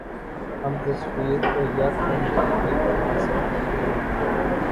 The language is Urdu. ہم تصویر کو یک رنگی بھی بنا سکتے ہی